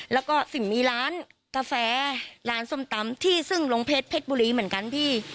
แล้วก็สิ่งมีร้านกาแฟร้านส้มตำที่ซึ่งลงเพชรเพชรบุรีเหมือนกันพี่